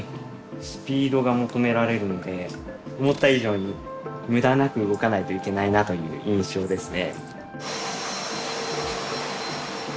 スピードが求められるんで思った以上に無駄なく動かないといけないなという印象ですね。